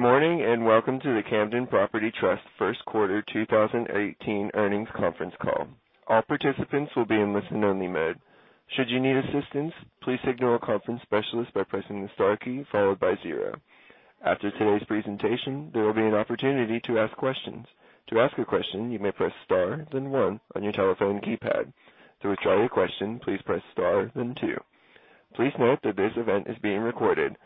Good morning. Welcome to the Camden Property Trust first quarter 2018 earnings conference call. All participants will be in listen-only mode. Should you need assistance, please signal a conference specialist by pressing the star key followed by zero. After today's presentation, there will be an opportunity to ask questions. To ask a question, you may press star then one on your telephone keypad. To withdraw your question, please press star then two. Please note that this event is being recorded.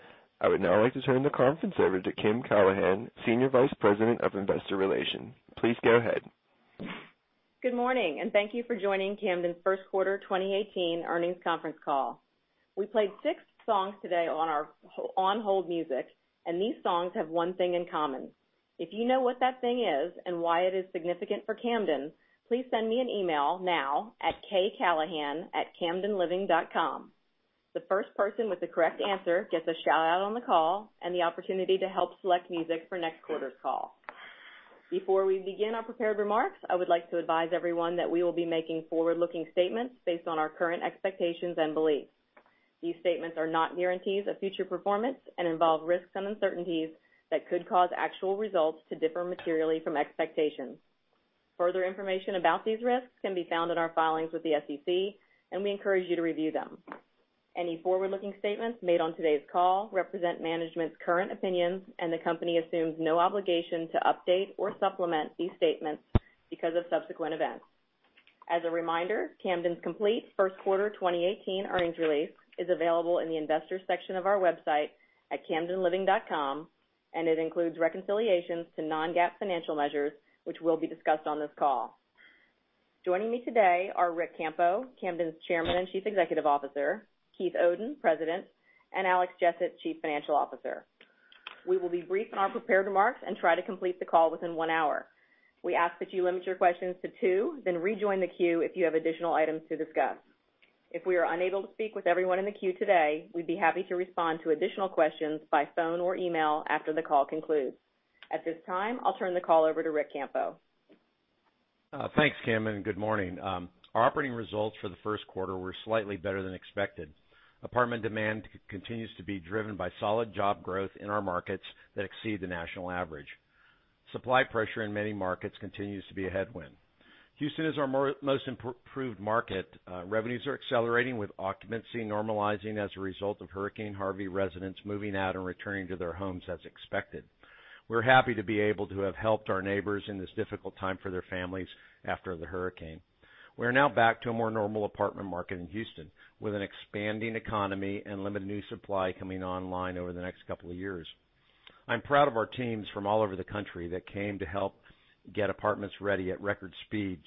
I would now like to turn the conference over to Kim Callahan, Senior Vice President of Investor Relations. Please go ahead. Good morning. Thank you for joining Camden's first quarter 2018 earnings conference call. We played six songs today on our on-hold music, and these songs have one thing in common. If you know what that thing is and why it is significant for Camden, please send me an email now at kcallahan@camdenliving.com. The first person with the correct answer gets a shout-out on the call and the opportunity to help select music for next quarter's call. Before we begin our prepared remarks, I would like to advise everyone that we will be making forward-looking statements based on our current expectations and beliefs. These statements are not guarantees of future performance and involve risks and uncertainties that could cause actual results to differ materially from expectations. Further information about these risks can be found in our filings with the SEC. We encourage you to review them. Any forward-looking statements made on today's call represent management's current opinions. The company assumes no obligation to update or supplement these statements because of subsequent events. As a reminder, Camden's complete first quarter 2018 earnings release is available in the investors section of our website at camdenliving.com, and it includes reconciliations to non-GAAP financial measures, which will be discussed on this call. Joining me today are Ric Campo, Camden's Chairman and Chief Executive Officer, Keith Oden, President, and Alex Jessett, Chief Financial Officer. We will be brief in our prepared remarks and try to complete the call within one hour. We ask that you limit your questions to two, then rejoin the queue if you have additional items to discuss. If we are unable to speak with everyone in the queue today, we'd be happy to respond to additional questions by phone or email after the call concludes. At this time, I'll turn the call over to Ric Campo. Thanks, Kim, and good morning. Our operating results for the first quarter were slightly better than expected. Apartment demand continues to be driven by solid job growth in our markets that exceed the national average. Supply pressure in many markets continues to be a headwind. Houston is our most improved market. Revenues are accelerating with occupancy normalizing as a result of Hurricane Harvey residents moving out and returning to their homes as expected. We're happy to be able to have helped our neighbors in this difficult time for their families after the hurricane. We are now back to a more normal apartment market in Houston, with an expanding economy and limited new supply coming online over the next couple of years. I'm proud of our teams from all over the country that came to help get apartments ready at record speeds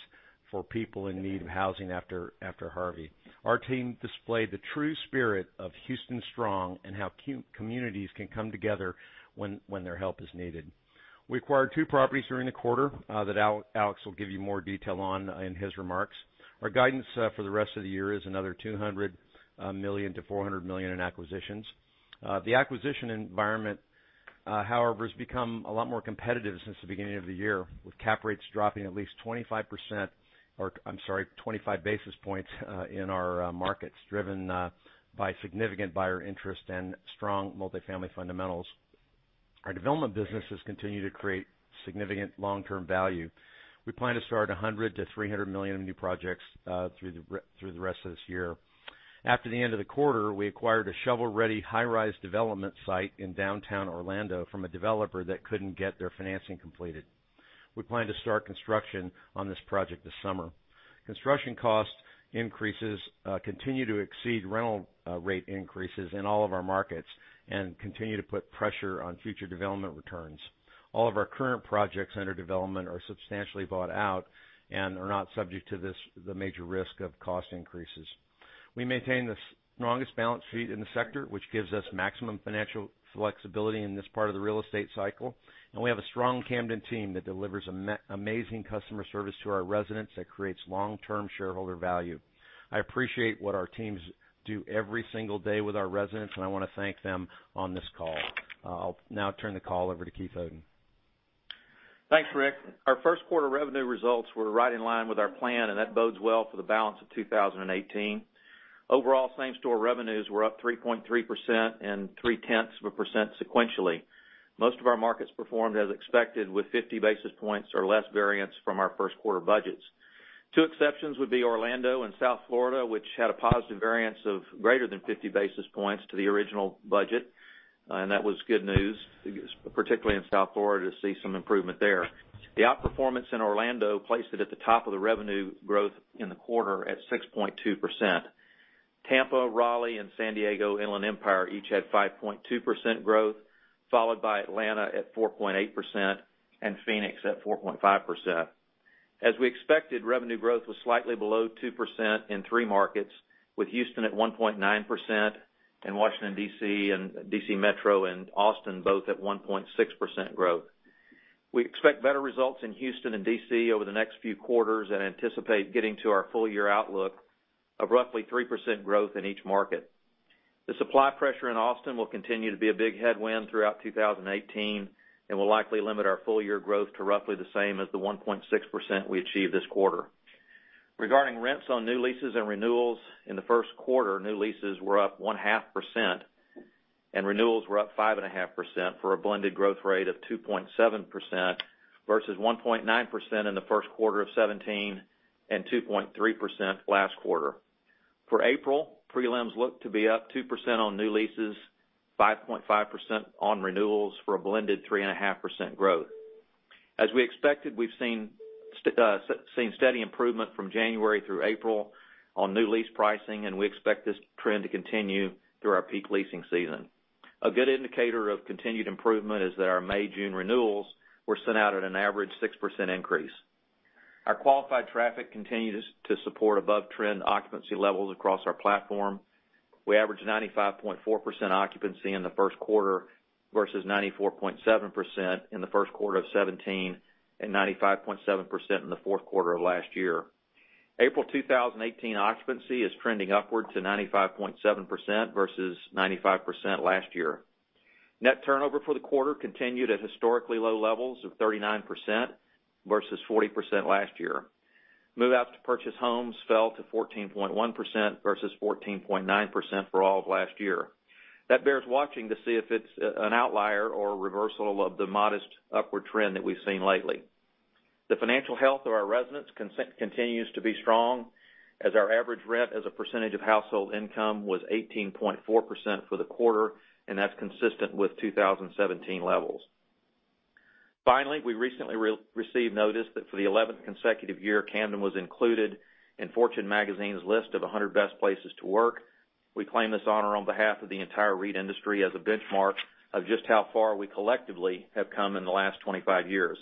for people in need of housing after Harvey. Our team displayed the true spirit of Houston Strong and how communities can come together when their help is needed. We acquired 2 properties during the quarter that Alex will give you more detail on in his remarks. Our guidance for the rest of the year is another $200 million-$400 million in acquisitions. The acquisition environment, however, has become a lot more competitive since the beginning of the year, with cap rates dropping at least 25 basis points in our markets, driven by significant buyer interest and strong multifamily fundamentals. Our development businesses continue to create significant long-term value. We plan to start $100 million-$300 million of new projects through the rest of this year. After the end of the quarter, we acquired a shovel-ready high-rise development site in downtown Orlando from a developer that couldn't get their financing completed. We plan to start construction on this project this summer. Construction cost increases continue to exceed rental rate increases in all of our markets and continue to put pressure on future development returns. All of our current projects under development are substantially bought out and are not subject to the major risk of cost increases. We maintain the strongest balance sheet in the sector, which gives us maximum financial flexibility in this part of the real estate cycle. We have a strong Camden team that delivers amazing customer service to our residents that creates long-term shareholder value. I appreciate what our teams do every single day with our residents, and I want to thank them on this call. I'll now turn the call over to Keith Oden. Thanks, Ric. Our first quarter revenue results were right in line with our plan, and that bodes well for the balance of 2018. Overall, same-store revenues were up 3.3% and three-tenths of a percent sequentially. Most of our markets performed as expected with 50 basis points or less variance from our first quarter budgets. Two exceptions would be Orlando and South Florida, which had a positive variance of greater than 50 basis points to the original budget, and that was good news, particularly in South Florida, to see some improvement there. The outperformance in Orlando placed it at the top of the revenue growth in the quarter at 6.2%. Tampa, Raleigh, and San Diego Inland Empire each had 5.2% growth, followed by Atlanta at 4.8% and Phoenix at 4.5%. As we expected, revenue growth was slightly below 2% in three markets, with Houston at 1.9% and Washington D.C. and D.C. Metro and Austin both at 1.6% growth. We expect better results in Houston and D.C. over the next few quarters and anticipate getting to our full-year outlook of roughly 3% growth in each market. The supply pressure in Austin will continue to be a big headwind throughout 2018 and will likely limit our full-year growth to roughly the same as the 1.6% we achieved this quarter. Regarding rents on new leases and renewals in the first quarter, new leases were up one-half percent, and renewals were up 5.5% for a blended growth rate of 2.7% versus 1.9% in the first quarter of 2017, and 2.3% last quarter. For April, prelims look to be up 2% on new leases, 5.5% on renewals for a blended 3.5% growth. As we expected, we've seen steady improvement from January through April on new lease pricing. We expect this trend to continue through our peak leasing season. A good indicator of continued improvement is that our May, June renewals were sent out at an average 6% increase. Our qualified traffic continues to support above-trend occupancy levels across our platform. We averaged 95.4% occupancy in the first quarter versus 94.7% in the first quarter of 2017, and 95.7% in the fourth quarter of last year. April 2018 occupancy is trending upward to 95.7% versus 95% last year. Net turnover for the quarter continued at historically low levels of 39% versus 40% last year. Move-outs to purchase homes fell to 14.1% versus 14.9% for all of last year. That bears watching to see if it's an outlier or a reversal of the modest upward trend that we've seen lately. The financial health of our residents continues to be strong, as our average rent as a percentage of household income was 18.4% for the quarter. That's consistent with 2017 levels. Finally, we recently received notice that for the 11th consecutive year, Camden was included in Fortune Magazine's list of 100 Best Companies to Work For. We claim this honor on behalf of the entire REIT industry as a benchmark of just how far we collectively have come in the last 25 years.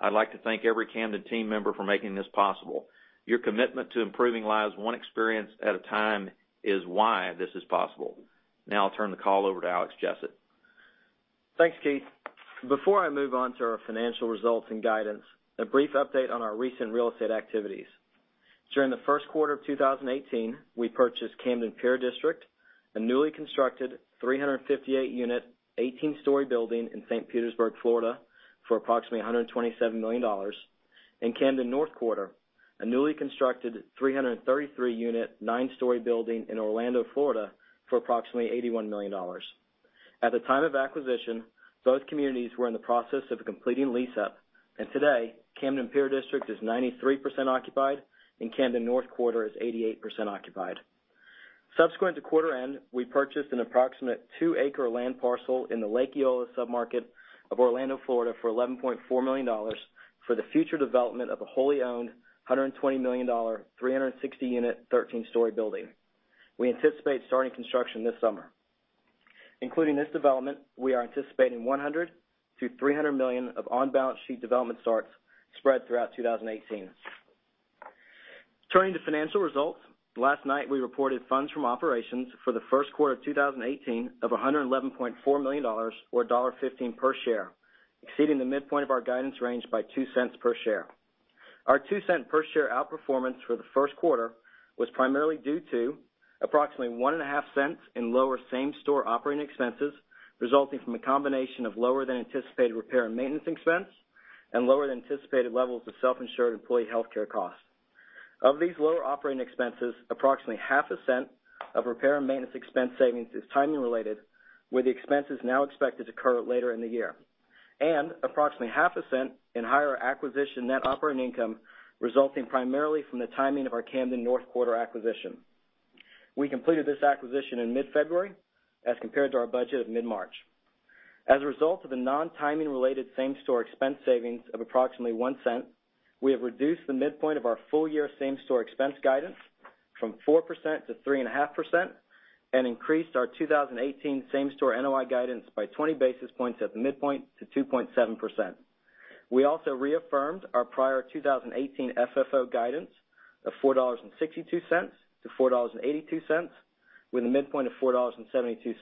I'd like to thank every Camden team member for making this possible. Your commitment to improving lives one experience at a time is why this is possible. Now I'll turn the call over to Alex Jessett. Thanks, Keith. Before I move on to our financial results and guidance, a brief update on our recent real estate activities. During the first quarter of 2018, we purchased Camden Pier District, a newly constructed 358-unit, 18-story building in St. Petersburg, Florida, for approximately $127 million. Camden North Quarter, a newly constructed 333-unit, nine-story building in Orlando, Florida for approximately $81 million. At the time of acquisition, both communities were in the process of completing lease up. Today, Camden Pier District is 93% occupied, and Camden North Quarter is 88% occupied. Subsequent to quarter end, we purchased an approximate two-acre land parcel in the Lake Eola sub-market of Orlando, Florida for $11.4 million for the future development of a wholly-owned $120 million, 360-unit, 13-story building. We anticipate starting construction this summer. Including this development, we are anticipating $100 million-$300 million of on-balance sheet development starts spread throughout 2018. Turning to financial results, last night we reported FFO for Q1 2018 of $111.4 million, or $1.15 per share, exceeding the midpoint of our guidance range by $0.02 per share. Our $0.02 per share outperformance for the first quarter was primarily due to approximately $0.015 in lower same-store operating expenses, resulting from a combination of lower than anticipated repair and maintenance expense, and lower than anticipated levels of self-insured employee healthcare costs. Of these lower operating expenses, approximately $0.005 of repair and maintenance expense savings is timing related, where the expense is now expected to occur later in the year. Approximately $0.005 in higher acquisition NOI resulting primarily from the timing of our Camden North Quarter acquisition. We completed this acquisition in mid-February as compared to our budget of mid-March. As a result of the non-timing related same-store expense savings of approximately $0.01, we have reduced the midpoint of our full-year same-store expense guidance from 4%-3.5%, and increased our 2018 same-store NOI guidance by 20 basis points at the midpoint to 2.7%. We also reaffirmed our prior 2018 FFO guidance of $4.62-$4.82, with a midpoint of $4.72.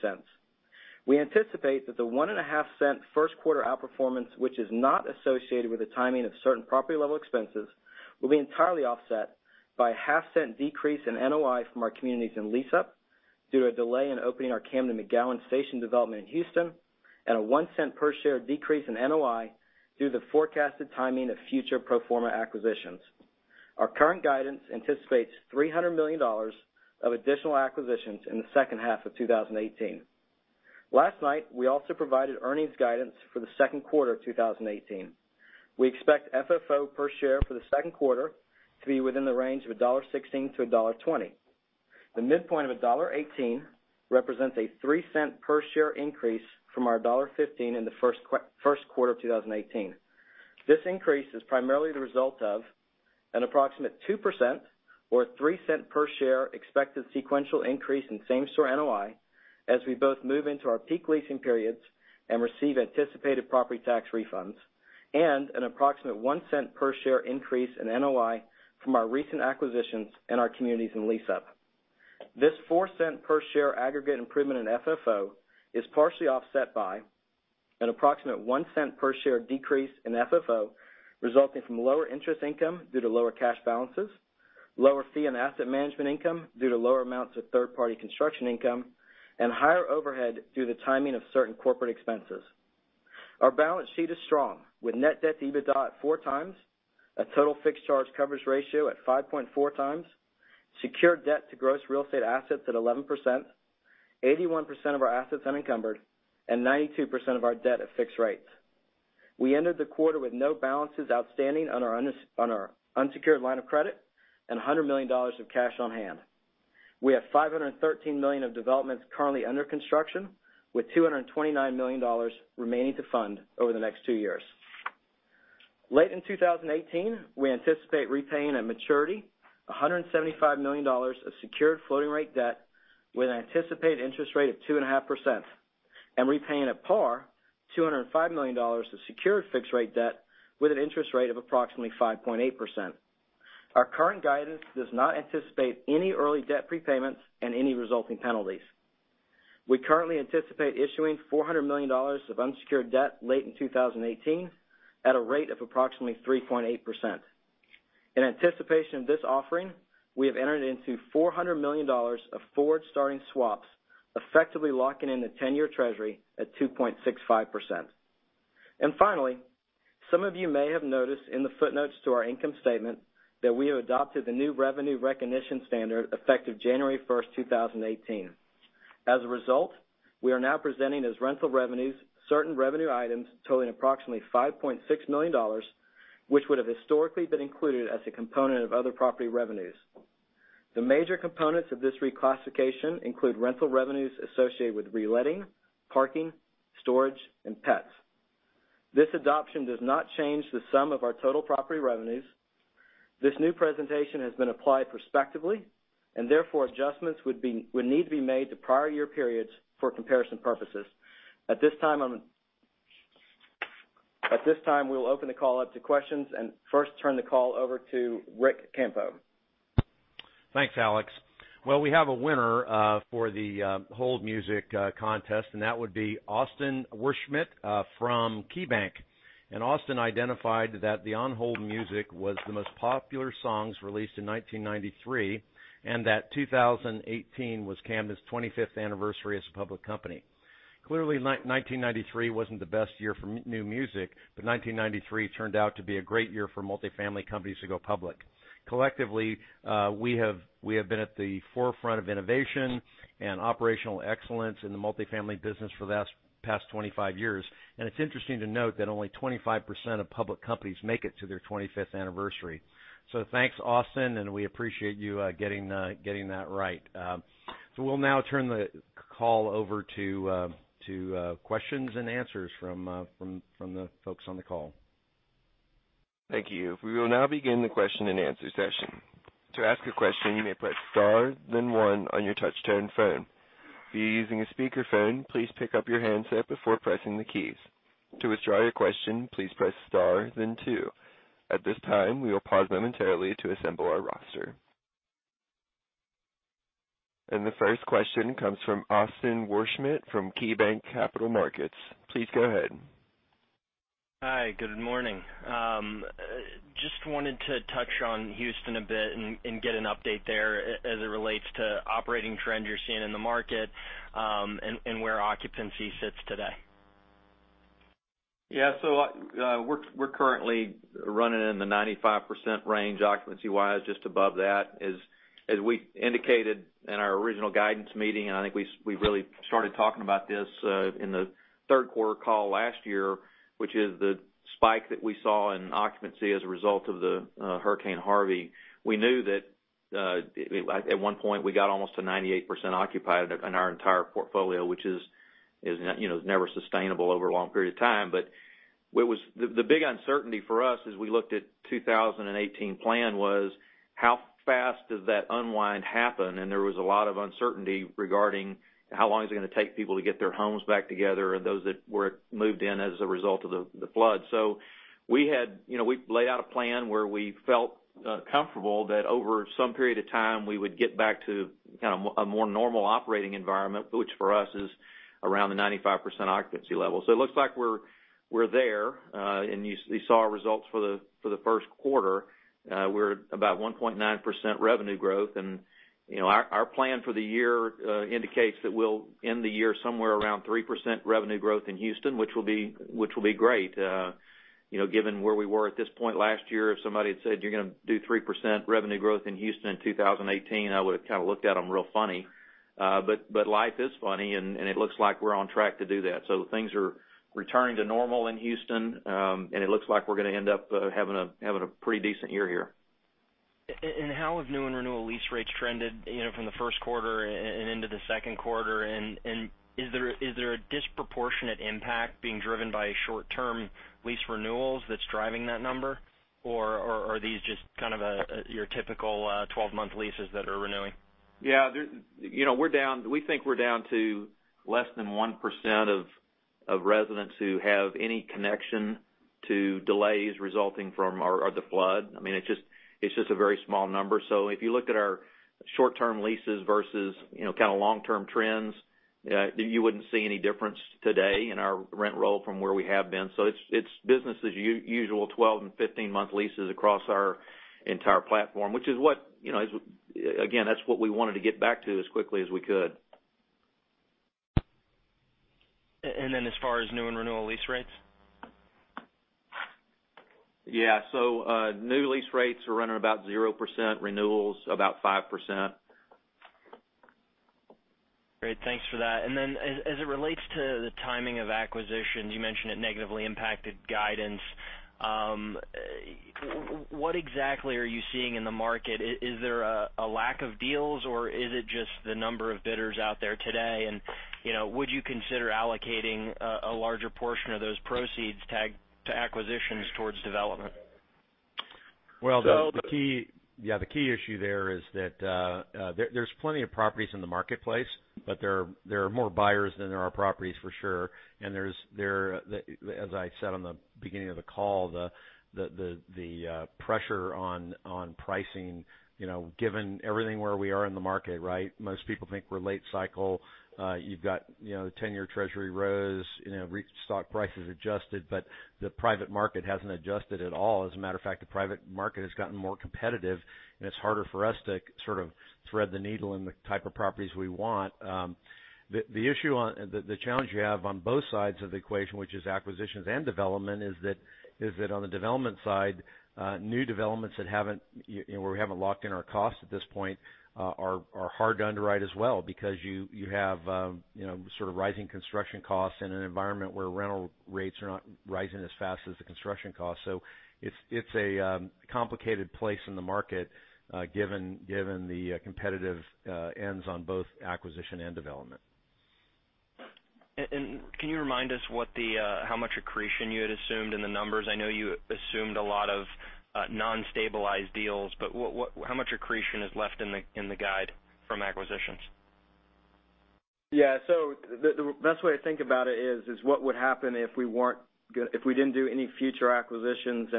We anticipate that the $0.015 first quarter outperformance, which is not associated with the timing of certain property-level expenses, will be entirely offset by a $0.005 decrease in NOI from our communities in lease up due to a delay in opening our Camden McGowen Station development in Houston, and a $0.01 per share decrease in NOI due to the forecasted timing of future pro forma acquisitions. Our current guidance anticipates $300 million of additional acquisitions in the second half of 2018. Last night, we also provided earnings guidance for Q2 2018. We expect FFO per share for the second quarter to be within the range of $1.16-$1.20. The midpoint of $1.18 represents a $0.03 per share increase from our $1.15 in Q1 2018. This increase is primarily the result of an approximate 2% or $0.03 per share expected sequential increase in same-store NOI as we both move into our peak leasing periods and receive anticipated property tax refunds, and an approximate $0.01 per share increase in NOI from our recent acquisitions and our communities in lease up. This $0.04 per share aggregate improvement in FFO is partially offset by an approximate $0.01 per share decrease in FFO resulting from lower interest income due to lower cash balances, lower fee and asset management income due to lower amounts of third-party construction income, and higher overhead due to the timing of certain corporate expenses. Our balance sheet is strong, with net debt to EBITDA at 4x, a total fixed charge coverage ratio at 5.4x, secured debt to gross real estate assets at 11%, 81% of our assets unencumbered, and 92% of our debt at fixed rates. We ended the quarter with no balances outstanding on our unsecured line of credit and $100 million of cash on hand. We have $513 million of developments currently under construction, with $229 million remaining to fund over the next two years. Late in 2018, we anticipate repaying at maturity $175 million of secured floating rate debt with an anticipated interest rate of 2.5% and repaying at par $205 million of secured fixed rate debt with an interest rate of approximately 5.8%. Our current guidance does not anticipate any early debt prepayments and any resulting penalties. We currently anticipate issuing $400 million of unsecured debt late in 2018 at a rate of approximately 3.8%. In anticipation of this offering, we have entered into $400 million of forward starting swaps, effectively locking in the 10-year treasury at 2.65%. Finally, some of you may have noticed in the footnotes to our income statement that we have adopted the new revenue recognition standard effective January 1st, 2018. As a result, we are now presenting as rental revenues, certain revenue items totaling approximately $5.6 million, which would've historically been included as a component of other property revenues. The major components of this reclassification include rental revenues associated with reletting, parking, storage, and pets. This adoption does not change the sum of our total property revenues. This new presentation has been applied prospectively, and therefore adjustments would need to be made to prior year periods for comparison purposes. At this time, we'll open the call up to questions and first turn the call over to Ric Campo. Thanks, Alex. Well, we have a winner for the hold music contest, that would be Austin Wurschmidt from KeyBanc. Austin identified that the on-hold music was the most popular songs released in 1993, that 2018 was Camden's 25th anniversary as a public company. Clearly, 1993 wasn't the best year for new music, 1993 turned out to be a great year for multifamily companies to go public. Collectively, we have been at the forefront of innovation and operational excellence in the multifamily business for the past 25 years. It's interesting to note that only 25% of public companies make it to their 25th anniversary. Thanks, Austin, we appreciate you getting that right. We'll now turn the call over to questions and answers from the folks on the call. Thank you. We will now begin the question and answer session. To ask a question, you may press star, then one on your touch-tone phone. If you're using a speakerphone, please pick up your handset before pressing the keys. To withdraw your question, please press star, then two. At this time, we will pause momentarily to assemble our roster. The first question comes from Austin Wurschmidt from KeyBanc Capital Markets. Please go ahead. Hi, good morning. Just wanted to touch on Houston a bit and get an update there as it relates to operating trends you're seeing in the market, and where occupancy sits today. Yeah. We're currently running in the 95% range occupancy wise, just above that. As we indicated in our original guidance meeting, I think we really started talking about this in the third quarter call last year, which is the spike that we saw in occupancy as a result of Hurricane Harvey. We knew that at one point, we got almost to 98% occupied in our entire portfolio, which is never sustainable over a long period of time. The big uncertainty for us as we looked at 2018 plan was how fast does that unwind happen, there was a lot of uncertainty regarding how long is it going to take people to get their homes back together, and those that were moved in as a result of the flood. We laid out a plan where we felt comfortable that over some period of time, we would get back to kind of a more normal operating environment, which for us is around the 95% occupancy level. It looks like we're there. You saw our results for the first quarter. We're at about 1.9% revenue growth, our plan for the year indicates that we'll end the year somewhere around 3% revenue growth in Houston, which will be great. Given where we were at this point last year, if somebody had said, "You're going to do 3% revenue growth in Houston in 2018," I would've kind of looked at them real funny. Life is funny, it looks like we're on track to do that. Things are returning to normal in Houston, and it looks like we're going to end up having a pretty decent year here. How have new and renewal lease rates trended from the first quarter and into the second quarter? Is there a disproportionate impact being driven by short-term lease renewals that's driving that number? Are these just kind of your typical 12-month leases that are renewing? Yeah. We think we're down to less than 1% of residents who have any connection to delays resulting from the flood. It's just a very small number. If you looked at our short-term leases versus kind of long-term trends, you wouldn't see any difference today in our rent roll from where we have been. It's business as usual, 12- and 15-month leases across our entire platform. Again, that's what we wanted to get back to as quickly as we could. As far as new and renewal lease rates? Yeah. New lease rates are running about 0%, renewals about 5%. Great. Thanks for that. Then as it relates to the timing of acquisitions, you mentioned it negatively impacted guidance. What exactly are you seeing in the market? Is there a lack of deals, or is it just the number of bidders out there today? Would you consider allocating a larger portion of those proceeds to acquisitions towards development? Well, the key issue there is that there's plenty of properties in the marketplace, but there are more buyers than there are properties for sure. As I said in the beginning of the call, the pressure on pricing, given everything where we are in the market, right? Most people think we're late cycle. You've got the 10-year Treasury rose, REIT stock prices adjusted, but the private market hasn't adjusted at all. As a matter of fact, the private market has gotten more competitive, and it's harder for us to thread the needle in the type of properties we want. The challenge you have on both sides of the equation, which is acquisitions and development, is that on the development side, new developments where we haven't locked in our costs at this point, are hard to underwrite as well, because you have sort of rising construction costs in an environment where rental rates are not rising as fast as the construction costs. It's a complicated place in the market, given the competitive ends on both acquisition and development. Can you remind us how much accretion you had assumed in the numbers? I know you assumed a lot of non-stabilized deals, but how much accretion is left in the guide from acquisitions? The best way to think about it is what would happen if we didn't do any future acquisitions,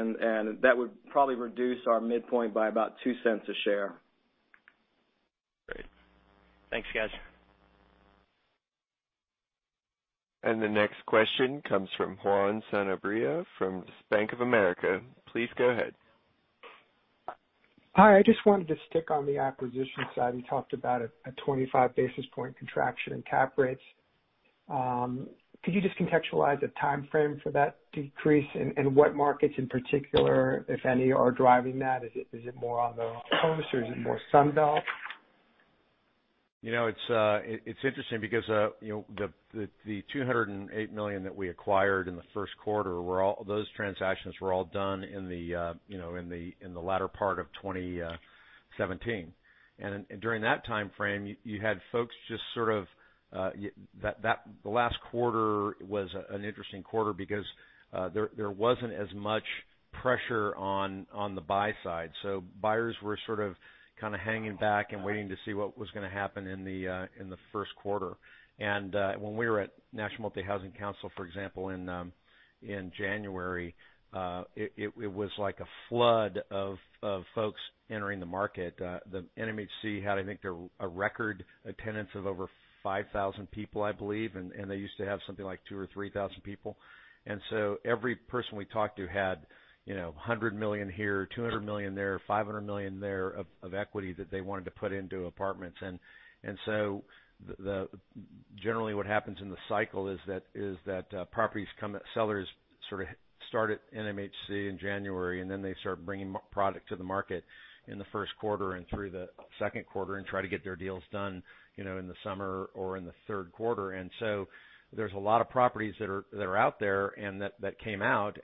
that would probably reduce our midpoint by about $0.02 a share. Great. Thanks, guys. The next question comes from Juan Sanabria from Bank of America. Please go ahead. Hi. I just wanted to stick on the acquisition side. You talked about a 25-basis point contraction in cap rates. Could you just contextualize a timeframe for that decrease and what markets in particular, if any, are driving that? Is it more on the coast or is it more Sun Belt? It's interesting because the $208 million that we acquired in the first quarter, those transactions were all done in the latter part of 2017. During that timeframe, the last quarter was an interesting quarter because there wasn't as much pressure on the buy side. Buyers were sort of hanging back and waiting to see what was going to happen in the first quarter. When we were at National Multifamily Housing Council, for example, in January, it was like a flood of folks entering the market. The NMHC had, I think, a record attendance of over 5,000 people, I believe, and they used to have something like 2,000 or 3,000 people. Every person we talked to had $100 million here, $200 million there, $500 million there of equity that they wanted to put into apartments. Generally, what happens in the cycle is that sellers sort of start at NMHC in January, and then they start bringing product to the market in the first quarter and through the second quarter and try to get their deals done in the summer or in the third quarter. There's a lot of properties that are out there and that came out,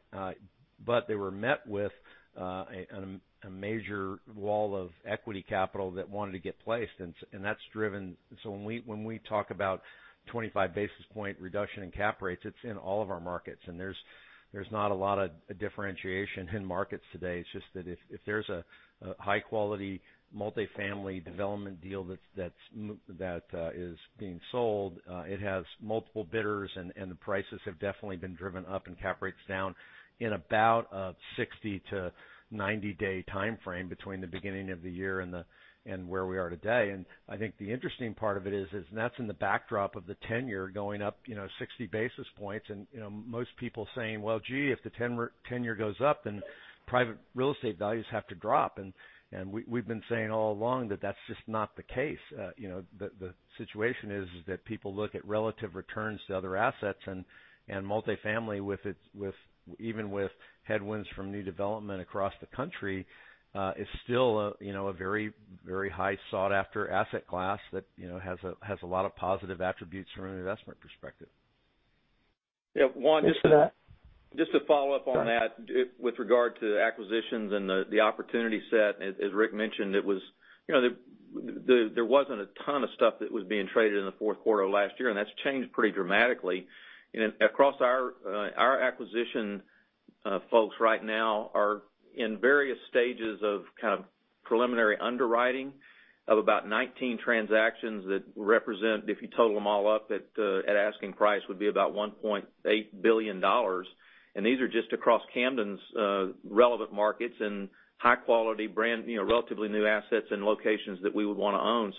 but they were met with a major wall of equity capital that wanted to get placed. When we talk about 25-basis point reduction in cap rates, it's in all of our markets, and there's not a lot of differentiation in markets today. It's just that if there's a high-quality multifamily development deal that is being sold, it has multiple bidders, and the prices have definitely been driven up and cap rates down in about a 60- to 90-day timeframe between the beginning of the year and where we are today. I think the interesting part of it is that's in the backdrop of the 10-year going up 60 basis points, and most people saying, "Well, gee, if the 10-year goes up, then private real estate values have to drop." We've been saying all along that that's just not the case. The situation is that people look at relative returns to other assets, and multifamily, even with headwinds from new development across the country, is still a very high sought-after asset class that has a lot of positive attributes from an investment perspective. Yeah, Juan. Just to. Just to follow up on that with regard to acquisitions and the opportunity set, as Ric mentioned, there wasn't a ton of stuff that was being traded in the fourth quarter of last year, and that's changed pretty dramatically. Across our acquisition folks right now are in various stages of preliminary underwriting of about 19 transactions that represent, if you total them all up at asking price, would be about $1.8 billion. These are just across Camden's relevant markets and high-quality brand, relatively new assets and locations that we would want to own.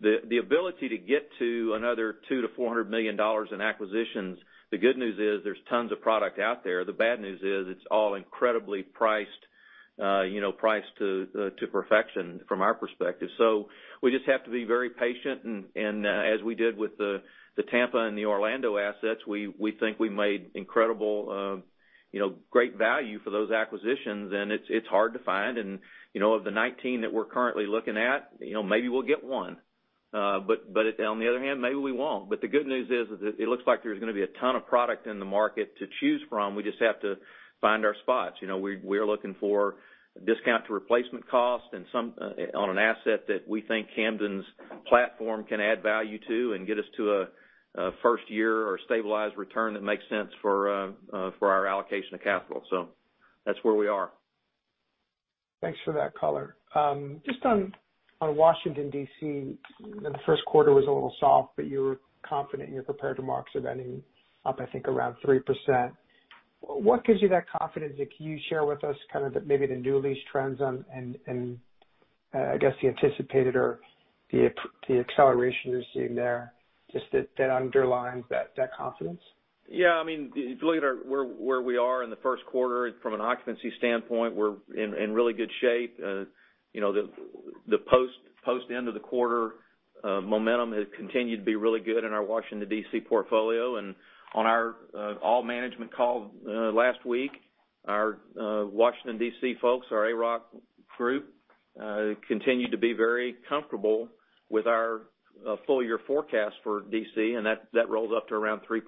The ability to get to another $200 million to $400 million in acquisitions, the good news is there's tons of product out there. The bad news is it's all incredibly priced to perfection from our perspective. We just have to be very patient, and as we did with the Tampa and the Orlando assets, we think we made incredible, great value for those acquisitions, and it's hard to find. Of the 19 that we're currently looking at, maybe we'll get one. On the other hand, maybe we won't. The good news is that it looks like there's going to be a ton of product in the market to choose from. We just have to find our spots. We are looking for discount to replacement cost on an asset that we think Camden's platform can add value to and get us to a first-year or stabilized return that makes sense for our allocation of capital. That's where we are. Thanks for that color. On Washington, D.C., the first quarter was a little soft, but you're confident you're prepared to mark to trending up, I think, around 3%. What gives you that confidence? Can you share with us kind of maybe the new lease trends and, I guess, the anticipated or the acceleration you're seeing there, just that underlines that confidence? If you look at where we are in the first quarter from an occupancy standpoint, we're in really good shape. The post end of the quarter momentum has continued to be really good in our Washington, D.C. portfolio. On our All Management call last week, our Washington, D.C. folks, our AROC group, continue to be very comfortable with our full-year forecast for D.C., and that rolls up to around 3%.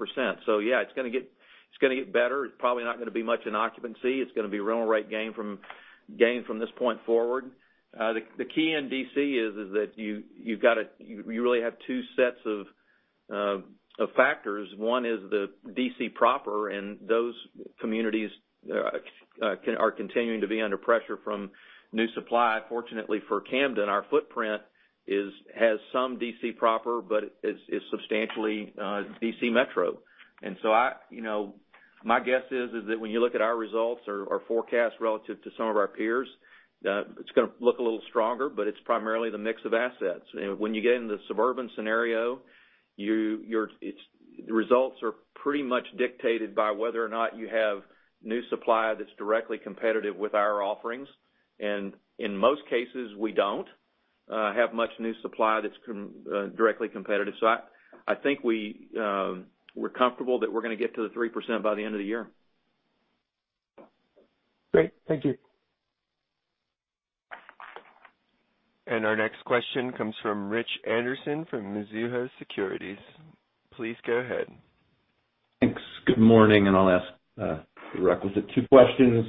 Yeah, it's going to get better. It's probably not going to be much in occupancy. It's going to be rental rate gain from this point forward. The key in D.C. is that you really have two sets of factors. One is the D.C. proper, and those communities are continuing to be under pressure from new supply. Fortunately for Camden, our footprint has some D.C. proper, but is substantially D.C. metro. My guess is that when you look at our results or our forecast relative to some of our peers, it's going to look a little stronger, but it's primarily the mix of assets. When you get into the suburban scenario, the results are pretty much dictated by whether or not you have new supply that's directly competitive with our offerings. In most cases, we don't have much new supply that's directly competitive. I think we're comfortable that we're going to get to the 3% by the end of the year. Great. Thank you. Our next question comes from Rich Anderson from Mizuho Securities. Please go ahead. Thanks. Good morning, I'll ask the requisite two questions.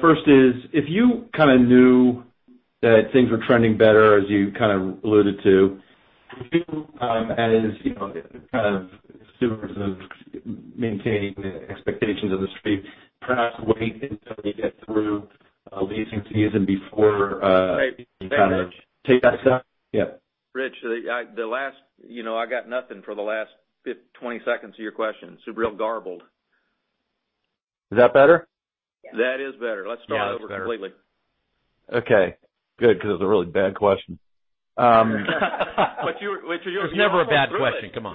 First is, if you kind of knew that things were trending better as you kind of alluded to, would you, as kind of stewards of maintaining the expectations of the street, perhaps wait until you get through leasing season before Hey, Rich take that step? Yeah. Rich, I got nothing for the last 20 seconds of your question. It was real garbled. Is that better? That is better. Let's start over completely. Okay, good, because it was a really bad question. But you- It's never a bad question. Come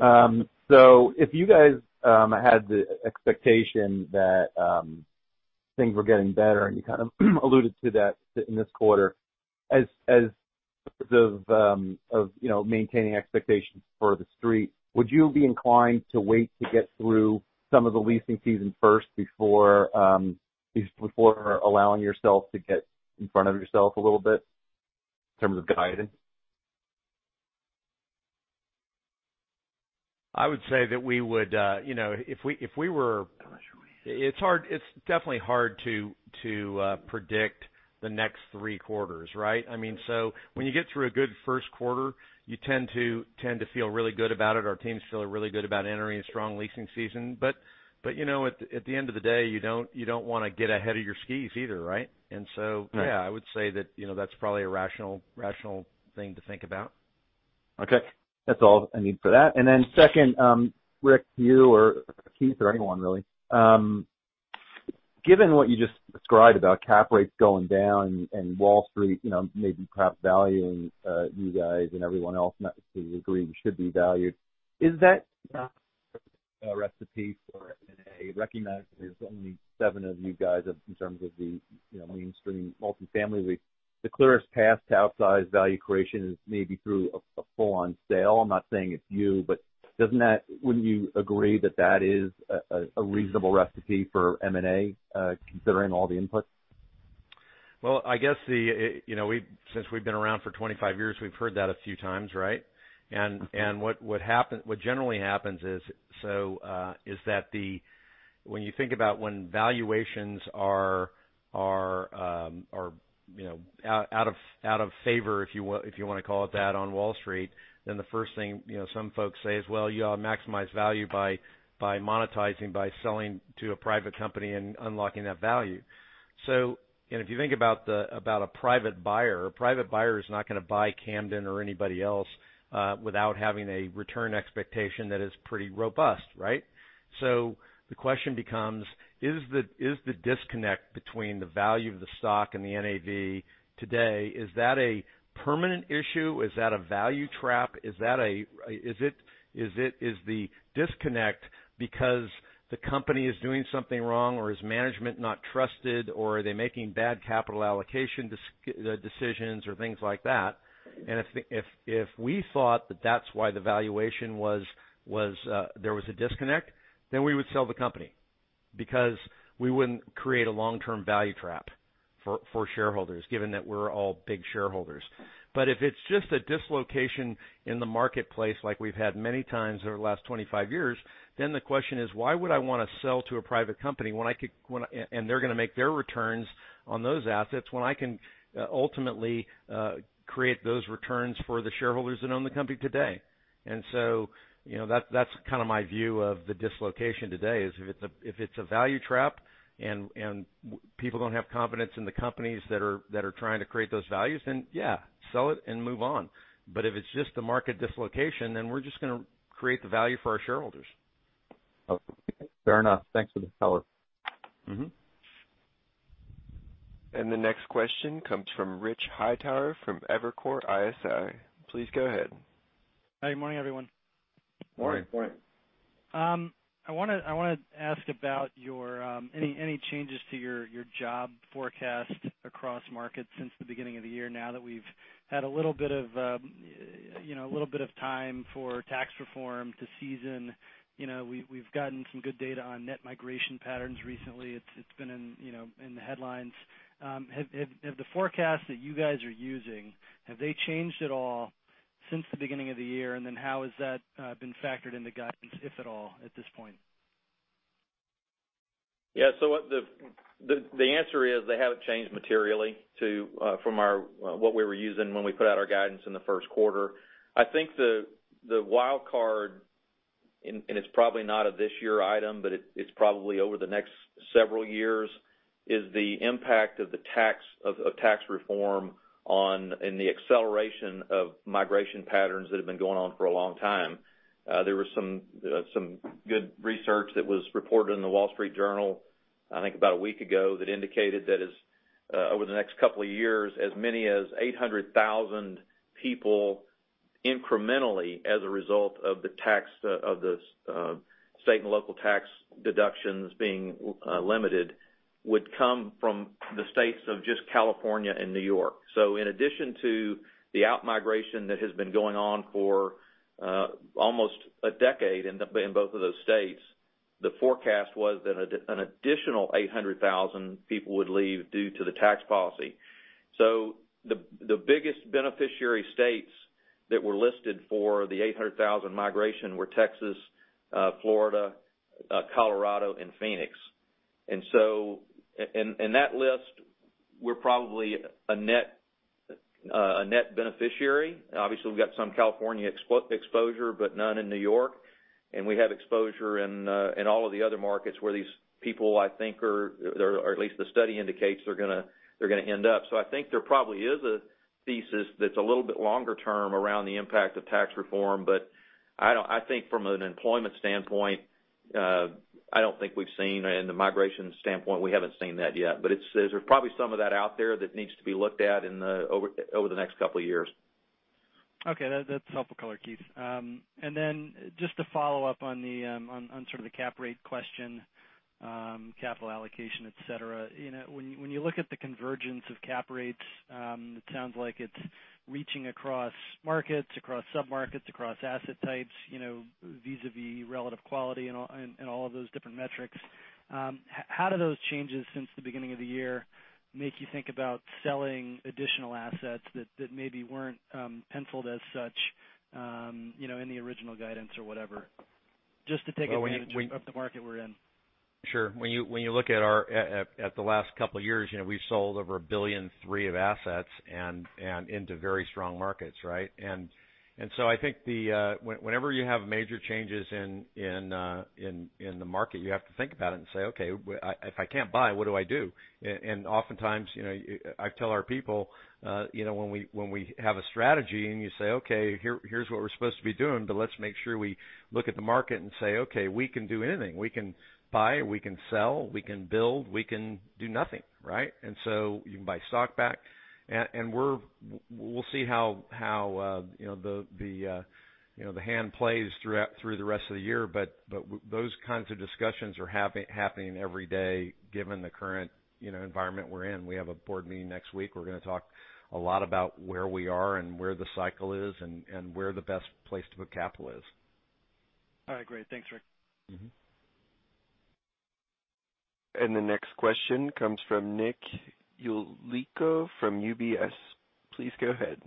on. If you guys had the expectation that things were getting better, and you kind of alluded to that in this quarter, as of maintaining expectations for the street, would you be inclined to wait to get through some of the leasing season first, before allowing yourself to get in front of yourself a little bit in terms of guidance? I would say that it's definitely hard to predict the next three quarters, right? When you get through a good first quarter, you tend to feel really good about it. Our teams feel really good about entering a strong leasing season. At the end of the day, you don't want to get ahead of your skis either, right? Yeah, I would say that that's probably a rational thing to think about. Okay. That's all I need for that. Second, Ric, you or Keith or anyone, really. Given what you just described about cap rates going down and Wall Street maybe perhaps valuing you guys and everyone else, not to agree you should be valued, is that a recipe for M&A, recognizing there's only seven of you guys in terms of the mainstream multifamily. The clearest path to outsized value creation is maybe through a full-on sale. I'm not saying it's you, but wouldn't you agree that that is a reasonable recipe for M&A, considering all the inputs? Well, I guess, since we've been around for 25 years, we've heard that a few times, right? What generally happens is that when you think about when valuations are out of favor, if you want to call it that, on Wall Street, the first thing some folks say is, well, you ought to maximize value by monetizing, by selling to a private company and unlocking that value. If you think about a private buyer, a private buyer is not going to buy Camden or anybody else without having a return expectation that is pretty robust, right? The question becomes, is the disconnect between the value of the stock and the NAV today, is that a permanent issue? Is that a value trap? Is the disconnect because the company is doing something wrong, or is management not trusted, or are they making bad capital allocation decisions or things like that? If we thought that that's why the valuation was there was a disconnect, then we would sell the company. We wouldn't create a long-term value trap for shareholders, given that we're all big shareholders. If it's just a dislocation in the marketplace like we've had many times over the last 25 years, then the question is, why would I want to sell to a private company, and they're going to make their returns on those assets, when I can ultimately create those returns for the shareholders that own the company today? That's kind of my view of the dislocation today is, if it's a value trap and people don't have confidence in the companies that are trying to create those values, then yeah, sell it and move on. If it's just a market dislocation, then we're just going to create the value for our shareholders. Okay. Fair enough. Thanks for the color. The next question comes from Richard Hightower from Evercore ISI. Please go ahead. Good morning, everyone. Morning. Morning. I want to ask about any changes to your job forecast across markets since the beginning of the year, now that we've had a little bit of time for tax reform to season. We've gotten some good data on net migration patterns recently. It's been in the headlines. Have the forecasts that you guys are using, have they changed at all since the beginning of the year? How has that been factored into guidance, if at all, at this point? Yeah. The answer is they haven't changed materially from what we were using when we put out our guidance in the first quarter. I think the wild card, and it's probably not a this year item, but it's probably over the next several years, is the impact of tax reform and the acceleration of migration patterns that have been going on for a long time. There was some good research that was reported in The Wall Street Journal, I think about a week ago, that indicated that over the next couple of years, as many as 800,000 people incrementally, as a result of the state and local tax deductions being limited, would come from the states of just California and New York. In addition to the out-migration that has been going on for almost a decade in both of those states, the forecast was that an additional 800,000 people would leave due to the tax policy. The biggest beneficiary states that were listed for the 800,000 migration were Texas, Florida, Colorado, and Phoenix. In that list, we're probably a net beneficiary. Obviously, we've got some California exposure, but none in New York. We have exposure in all of the other markets where these people, I think, or at least the study indicates they're going to end up. I think there probably is a thesis that's a little bit longer term around the impact of tax reform. I think from an employment standpoint, I don't think we've seen, in the migration standpoint, we haven't seen that yet. There's probably some of that out there that needs to be looked at over the next couple of years. Okay. That's helpful color, Keith. Just to follow up on sort of the cap rate question, capital allocation, et cetera. When you look at the convergence of cap rates, it sounds like it's reaching across markets, across sub-markets, across asset types, vis-a-vis relative quality and all of those different metrics. How do those changes since the beginning of the year make you think about selling additional assets that maybe weren't penciled as such in the original guidance or whatever? Just to take advantage of the market we're in. Sure. When you look at the last couple of years, we've sold over $1.3 billion of assets into very strong markets, right? I think whenever you have major changes in the market, you have to think about it and say, "Okay, if I can't buy, what do I do?" Oftentimes, I tell our people, when we have a strategy and you say, "Okay, here's what we're supposed to be doing, but let's make sure we look at the market and say, 'Okay, we can do anything. We can buy, we can sell, we can build, we can do nothing.'" Right? You can buy stock back. We'll see how the hand plays through the rest of the year. Those kinds of discussions are happening every day, given the current environment we're in. We have a board meeting next week. We're going to talk a lot about where we are and where the cycle is, and where the best place to put capital is. All right, great. Thanks, Ric. The next question comes from Nick Yulico from UBS. Please go ahead.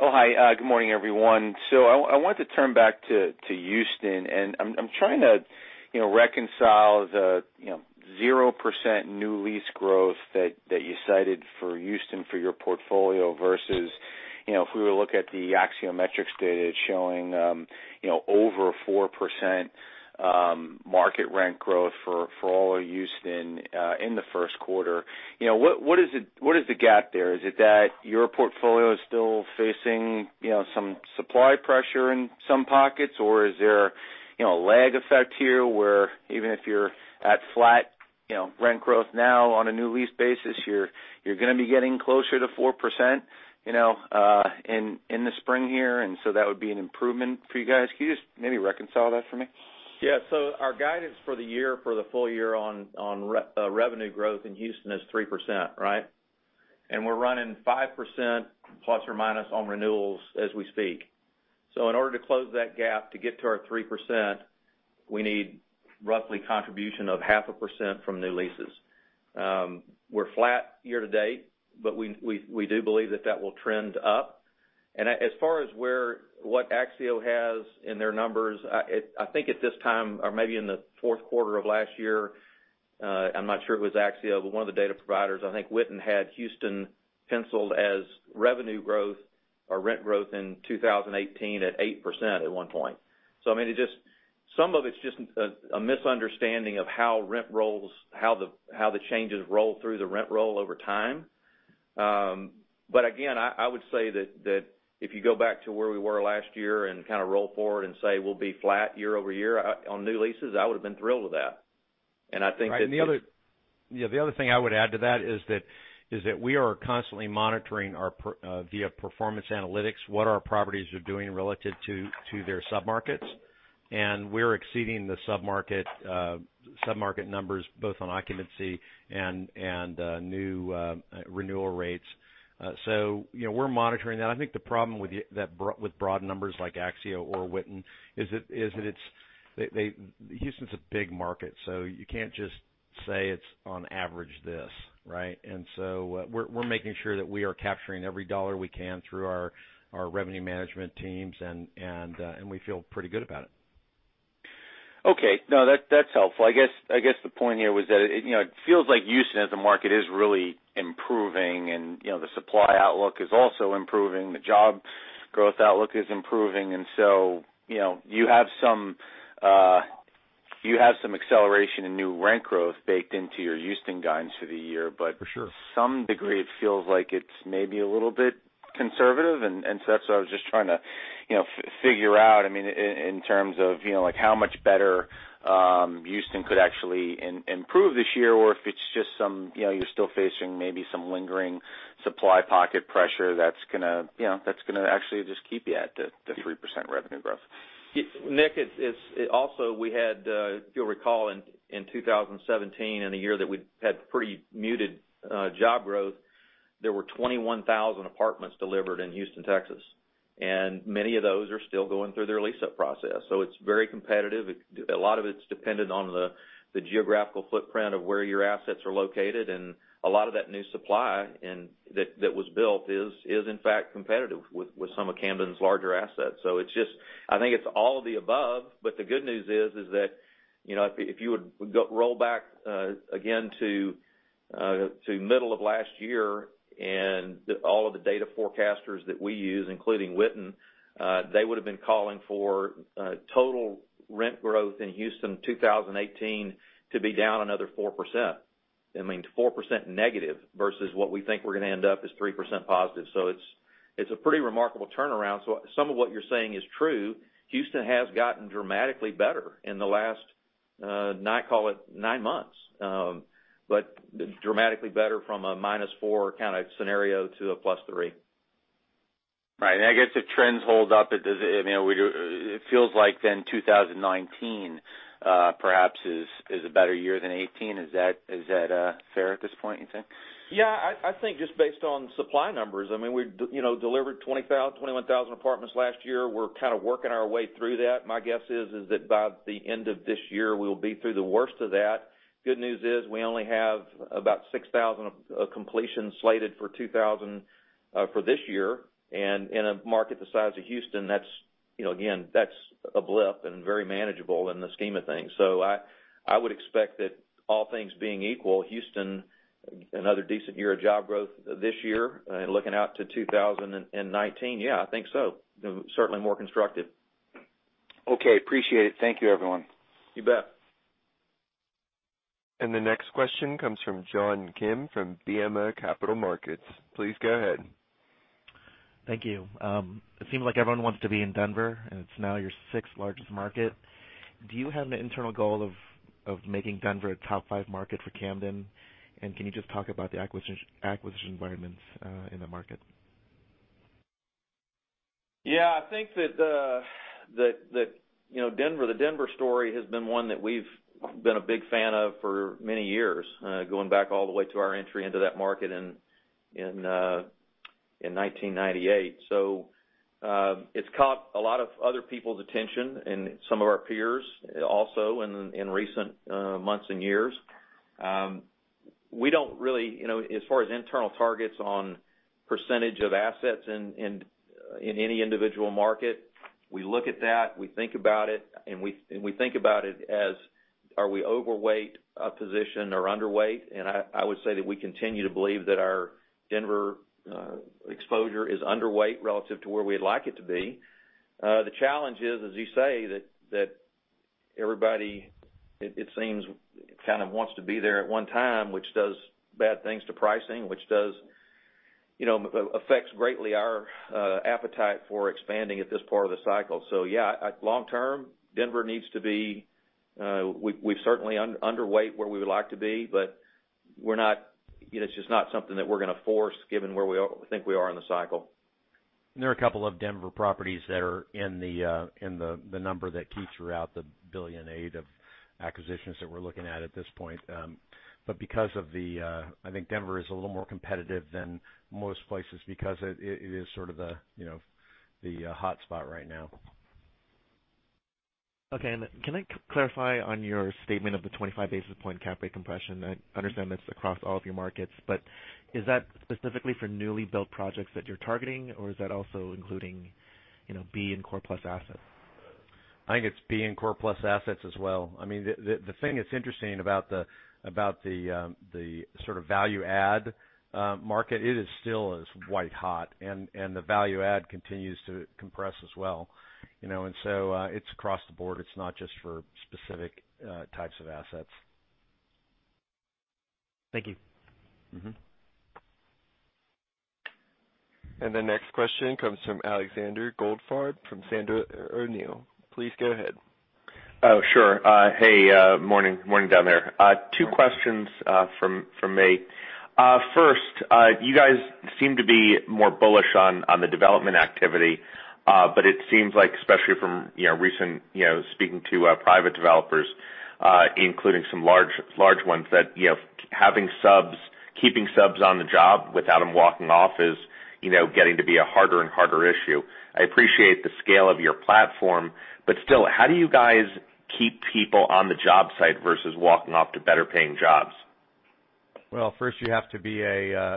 Oh, hi. Good morning, everyone. I want to turn back to Houston, and I'm trying to reconcile the 0% new lease growth that you cited for Houston for your portfolio, versus if we were to look at the Axiometrics data, it's showing over 4% market rent growth for all of Houston in the first quarter. What is the gap there? Is it that your portfolio is still facing some supply pressure in some pockets, or is there a lag effect here, where even if you're at flat rent growth now on a new lease basis, you're going to be getting closer to 4% in the spring here, and that would be an improvement for you guys? Can you just maybe reconcile that for me? Yeah. Our guidance for the year, for the full year on revenue growth in Houston is 3%, right? We're running 5% plus or minus on renewals as we speak. In order to close that gap to get to our 3%, we need roughly contribution of half a percent from new leases. We're flat year to date, but we do believe that will trend up. As far as what Axio has in their numbers, I think at this time, or maybe in the fourth quarter of last year, I'm not sure it was Axio, but one of the data providers, I think Witten had Houston penciled as revenue growth or rent growth in 2018 at 8% at one point. Some of it's just a misunderstanding of how the changes roll through the rent roll over time. Again, I would say that if you go back to where we were last year and kind of roll forward and say we'll be flat year-over-year on new leases, I would've been thrilled with that. I think that. Right. The other thing I would add to that is that we are constantly monitoring, via performance analytics, what our properties are doing relative to their sub-markets. We're exceeding the sub-market numbers, both on occupancy and new renewal rates. We're monitoring that. I think the problem with broad numbers like Axio or Witten is that Houston's a big market, you can't just say it's on average this, right? We're making sure that we are capturing every dollar we can through our revenue management teams, and we feel pretty good about it. Okay. No, that's helpful. I guess the point here was that it feels like Houston as a market is really improving and the supply outlook is also improving. The job growth outlook is improving. You have some acceleration in new rent growth baked into your Houston guidance for the year, but- For sure To some degree, it feels like it's maybe a little bit conservative. That's what I was just trying to figure out, in terms of how much better Houston could actually improve this year, or if it's just you're still facing maybe some lingering supply pocket pressure that's going to actually just keep you at the 3% revenue growth. Nick, also, if you'll recall, in 2017, in a year that we had pretty muted job growth, there were 21,000 apartments delivered in Houston, Texas, and many of those are still going through their lease-up process. It's very competitive. A lot of it's dependent on the geographical footprint of where your assets are located, and a lot of that new supply that was built is, in fact, competitive with some of Camden's larger assets. I think it's all of the above, but the good news is that, if you would roll back again to middle of last year and all of the data forecasters that we use, including Witten, they would've been calling for total rent growth in Houston 2018 to be down another 4%. 4% negative versus what we think we're going to end up is 3% positive. It's a pretty remarkable turnaround. Some of what you're saying is true. Houston has gotten dramatically better in the last, call it nine months. Dramatically better from a minus four kind of scenario to a plus three. Right. I guess the trends hold up. It feels like 2019, perhaps, is a better year than 2018. Is that fair at this point, you think? Yeah. I think just based on supply numbers. We delivered 21,000 apartments last year. We're kind of working our way through that. My guess is that by the end of this year, we'll be through the worst of that. Good news is we only have about 6,000 of completion slated for this year. In a market the size of Houston, again, that's a blip and very manageable in the scheme of things. I would expect that all things being equal, Houston, another decent year of job growth this year. Looking out to 2019, yeah, I think so. Certainly more constructive. Okay. Appreciate it. Thank you, everyone. You bet. The next question comes from John Kim from BMO Capital Markets. Please go ahead. Thank you. It seems like everyone wants to be in Denver, and it's now your sixth largest market. Do you have an internal goal of making Denver a top five market for Camden? Can you just talk about the acquisition environments in the market? Yeah, I think that the Denver story has been one that we've been a big fan of for many years, going back all the way to our entry into that market in 1998. It's caught a lot of other people's attention and some of our peers also in recent months and years. As far as internal targets on percentage of assets in any individual market, we look at that, we think about it, and we think about it as, are we overweight a position or underweight? I would say that we continue to believe that our Denver exposure is underweight relative to where we'd like it to be. The challenge is, as you say, that everybody, it seems, kind of wants to be there at one time, which does bad things to pricing, which affects greatly our appetite for expanding at this part of the cycle. Yeah, long term, We're certainly underweight where we would like to be, but it's just not something that we're going to force given where we think we are in the cycle. There are a couple of Denver properties that are in the number that Keith threw out the $1.8 billion of acquisitions that we're looking at this point. I think Denver is a little more competitive than most places because it is sort of the hotspot right now. Okay. Can I clarify on your statement of the 25 basis point cap rate compression? I understand that's across all of your markets, but is that specifically for newly built projects that you're targeting, or is that also including B and core plus assets? I think it's B and core plus assets as well. The thing that's interesting about the sort of value add market, it is still as white hot, and the value add continues to compress as well. It's across the board. It's not just for specific types of assets. Thank you. The next question comes from Alexander Goldfarb from Sandler O'Neill. Please go ahead. Oh, sure. Hey, morning. Morning down there. Two questions from me. First, you guys seem to be more bullish on the development activity, but it seems like, especially from recent, speaking to private developers, including some large ones that, having subs, keeping subs on the job without them walking off is getting to be a harder and harder issue. I appreciate the scale of your platform, but still, how do you guys keep people on the job site versus walking off to better paying jobs? Well, first you have to be a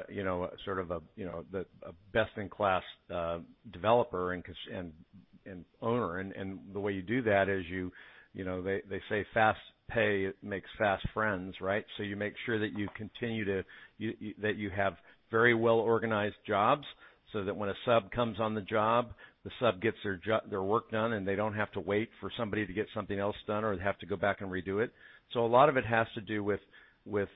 best in class developer and owner. The way you do that is, they say fast pay makes fast friends, right? You make sure that you have very well-organized jobs, so that when a sub comes on the job, the sub gets their work done, and they don't have to wait for somebody to get something else done, or they have to go back and redo it. A lot of it has to do with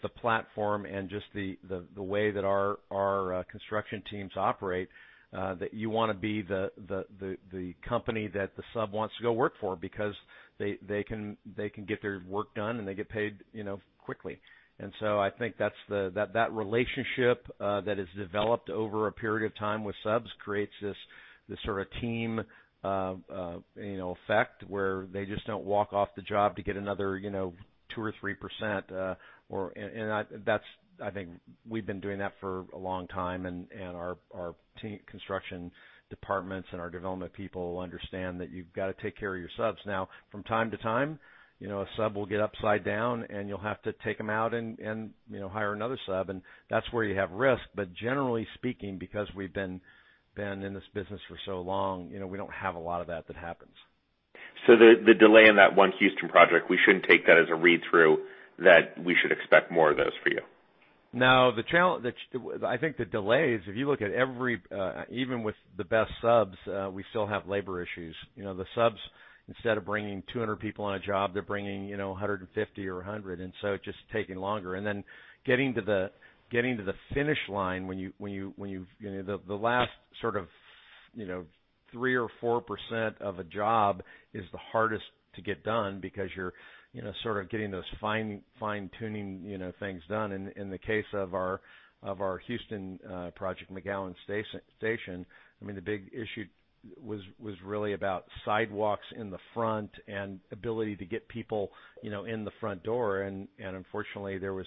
the platform and just the way that our construction teams operate, that you want to be the company that the sub wants to go work for because they can get their work done, and they get paid quickly. I think that relationship that has developed over a period of time with subs creates this sort of team effect, where they just don't walk off the job to get another 2% or 3%. I think we've been doing that for a long time, and our construction departments and our development people understand that you've got to take care of your subs. From time to time, a sub will get upside down, and you'll have to take him out and hire another sub, and that's where you have risk. Generally speaking, because we've been in this business for so long, we don't have a lot of that that happens. The delay in that one Houston project, we shouldn't take that as a read-through that we should expect more of those for you. No. I think the delays, if you look at Even with the best subs, we still have labor issues. The subs, instead of bringing 200 people on a job, they're bringing 150 or 100, it's just taking longer. Getting to the finish line, the last sort of 3% or 4% of a job is the hardest to get done because you're sort of getting those fine-tuning things done. In the case of our Houston project, McGowen Station, the big issue was really about sidewalks in the front and ability to get people in the front door. Unfortunately, there was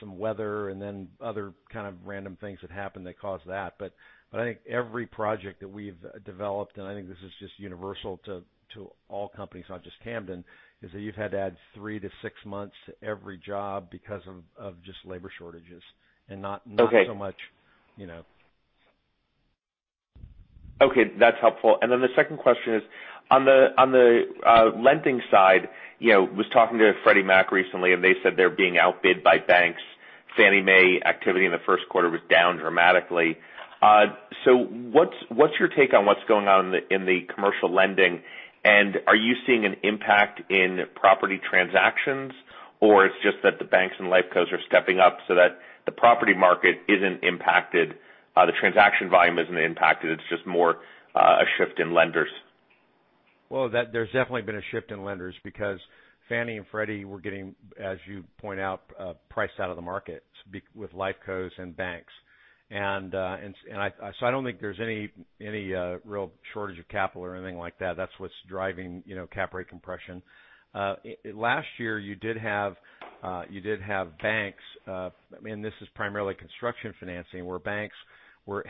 some weather and other kind of random things that happened that caused that. I think every project that we've developed, and I think this is just universal to all companies, not just Camden, is that you've had to add three to six months to every job because of just labor shortages. Okay so much. Okay, that's helpful. The second question is, on the lending side, was talking to Freddie Mac recently, and they said they're being outbid by banks. Fannie Mae activity in the first quarter was down dramatically. What's your take on what's going on in the commercial lending, and are you seeing an impact in property transactions? It's just that the banks and Life Cos are stepping up so that the property market isn't impacted, the transaction volume isn't impacted, it's just more a shift in lenders? Well, there's definitely been a shift in lenders because Fannie and Freddie were getting, as you point out, priced out of the market with Life Cos and banks. I don't think there's any real shortage of capital or anything like that. That's what's driving cap rate compression. Last year, you did have banks, this is primarily construction financing, where banks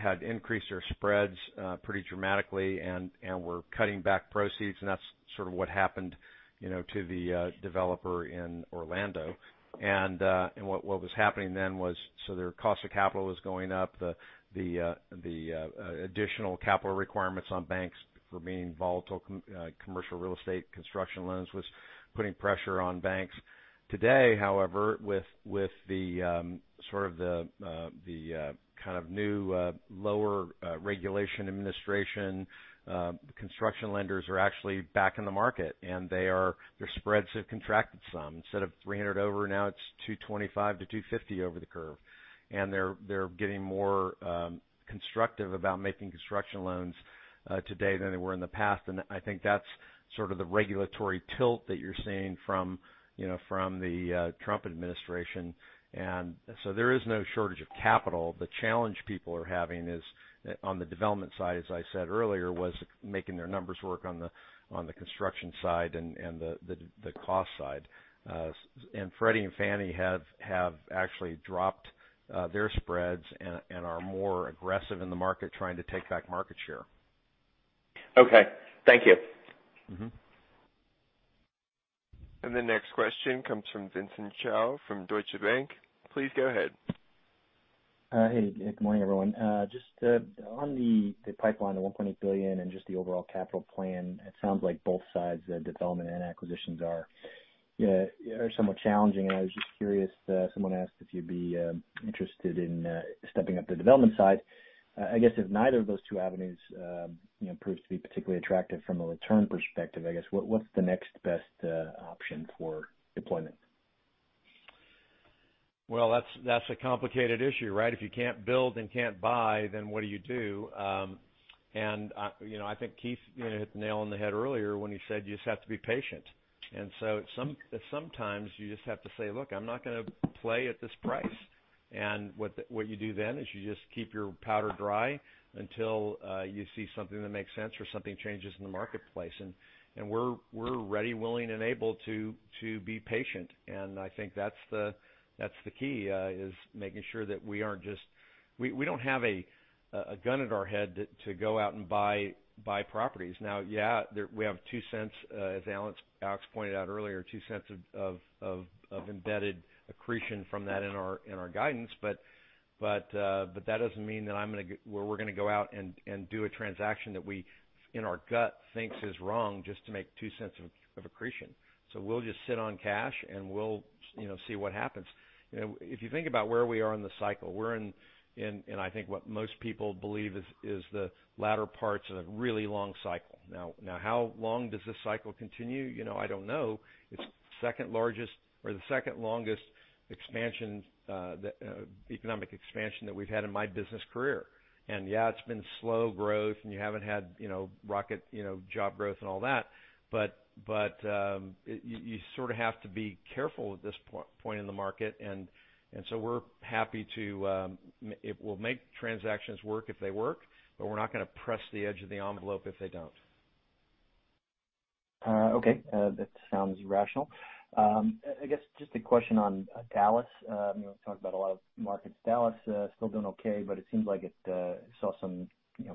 had increased their spreads pretty dramatically and were cutting back proceeds, and that's sort of what happened to the developer in Orlando. What was happening then was, their cost of capital was going up. The additional capital requirements on banks for being volatile commercial real estate construction loans was putting pressure on banks. Today, however, with the kind of new, lower regulation administration, construction lenders are actually back in the market, and their spreads have contracted some. Instead of 300 over, now it's 225 to 250 over the curve. They're getting more constructive about making construction loans today than they were in the past. I think that's sort of the regulatory tilt that you're seeing from the Trump administration. There is no shortage of capital. The challenge people are having is on the development side, as I said earlier, was making their numbers work on the construction side and the cost side. Freddie and Fannie have actually dropped their spreads and are more aggressive in the market trying to take back market share. Okay. Thank you. The next question comes from Vincent Chao from Deutsche Bank. Please go ahead. Hey. Good morning, everyone. Just on the pipeline, the $1.8 billion, just the overall capital plan, it sounds like both sides, the development and acquisitions, are somewhat challenging. I was just curious, someone asked if you'd be interested in stepping up the development side. I guess if neither of those two avenues proves to be particularly attractive from a return perspective, I guess, what's the next best option for deployment? Well, that's a complicated issue, right? If you can't build and can't buy, then what do you do? I think Keith hit the nail on the head earlier when he said you just have to be patient. Sometimes you just have to say, "Look, I'm not going to play at this price." What you do then is you just keep your powder dry until you see something that makes sense or something changes in the marketplace. We're ready, willing, and able to be patient. I think that's the key, is making sure that we don't have a gun at our head to go out and buy properties. Now, yeah, we have $0.02, as Alex pointed out earlier, $0.02 of embedded accretion from that in our guidance. That doesn't mean that we're going to go out and do a transaction that we, in our gut, think is wrong just to make $0.02 of accretion. We'll just sit on cash and we'll see what happens. If you think about where we are in the cycle, we're in, and I think what most people believe is the latter parts of a really long cycle. How long does this cycle continue? I don't know. It's the second longest economic expansion that we've had in my business career. Yeah, it's been slow growth, and you haven't had rocket job growth and all that. You sort of have to be careful at this point in the market, so we'll make transactions work if they work, but we're not going to press the edge of the envelope if they don't. Okay. That sounds rational. I guess, just a question on Dallas. You talked about a lot of markets. Dallas, still doing okay, but it seems like it saw some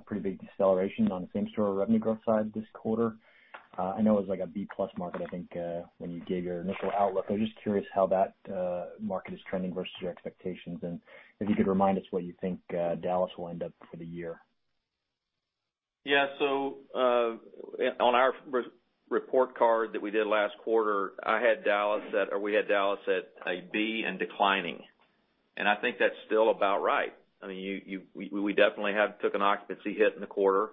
pretty big deceleration on the same-store revenue growth side this quarter. I know it was like a B-plus market, I think, when you gave your initial outlook. I'm just curious how that market is trending versus your expectations, and if you could remind us where you think Dallas will end up for the year. Yeah. On our report card that we did last quarter, we had Dallas at a B and declining. I think that's still about right. We definitely took an occupancy hit in the quarter.